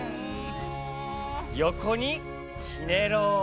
よこにひねろう。